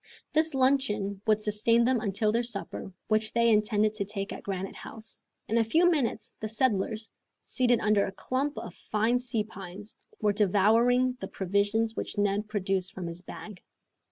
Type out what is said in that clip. This luncheon would sustain them until their supper, which they intended to take at Granite House. In a few minutes the settlers, seated under a clump of fine sea pines, were devouring the provisions which Neb produced from his bag.